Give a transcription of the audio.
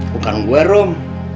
bukan gue rom